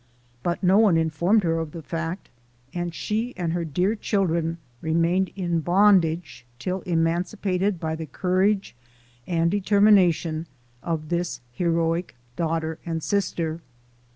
But no one informed her of the fact, and she and her dear children remained in bondage till emancipated by the courage and determination of 108 APPENDIX. this heroic daughter and sister.